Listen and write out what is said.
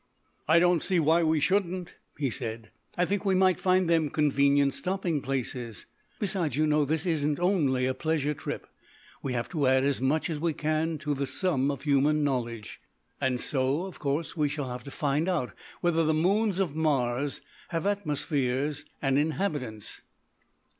"I don't see why we shouldn't," he said. "I think we might find them convenient stopping places; besides, you know this isn't only a pleasure trip. We have to add as much as we can to the sum of human knowledge, and so of course we shall have to find out whether the moons of Mars have atmospheres and inhabitants."